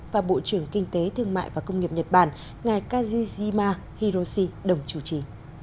và bộ trưởng kinh tế thương mại và công nghiệp nhật bản ngài kazushima hiroshi đồng chủ trì